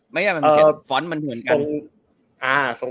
ไม่ใช่มันเขียนฟอนต์เหมือนกัน